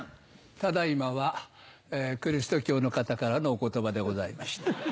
ただ今はキリスト教の方からのお言葉でございました。